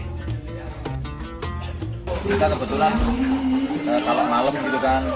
kita kebetulan kalau malam gitu kan